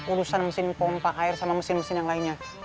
urusan mesin pompa air sama mesin mesin yang lainnya